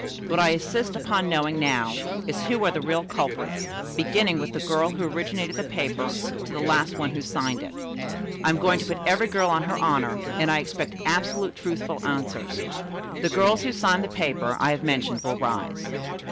What I insist upon knowing now, is who are the real culprits, beginning with the girl who originated the paper to the last one who signed it. I am going to put every girl on her honor, and I expect absolutely truthful answers. The girls who signed the paper I have mentioned will rise."